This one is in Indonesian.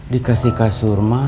dikasih kasur mahal